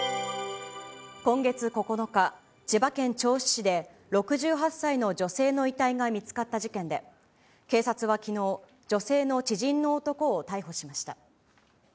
今月９日、千葉県銚子市で、６８歳の女性の遺体が見つかった事件で、警察はきのう、女性の知人の男を逮捕しました。